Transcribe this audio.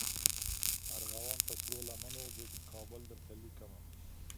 ارغوان پر سرو لمنو د کابل درته لیکمه